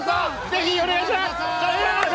ぜひお願いします！